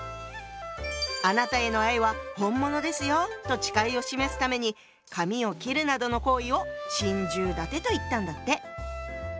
あなたへの愛は本物ですよと誓いを示すために髪を切るなどの行為を「心中立て」と言ったんだって。